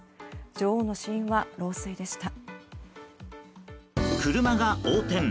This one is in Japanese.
女王の死因は老衰でした。